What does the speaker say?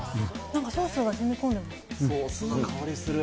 なんかソースがしみこんでる。